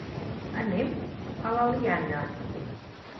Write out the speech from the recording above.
Anem a l'Eliana.